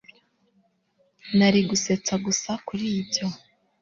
nari gusetsa gusa kuri ibyo